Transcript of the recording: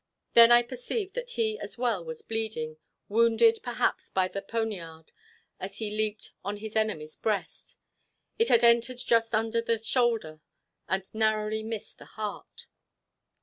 Then I perceived that he as well was bleeding, wounded perhaps by the poniard as he leaped on his enemy's breast. It had entered just under the shoulder, and narrowly missed the heart.